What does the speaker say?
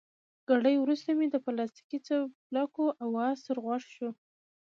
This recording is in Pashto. ګړی وروسته مې د پلاستیکي څپلکو اواز تر غوږو شو.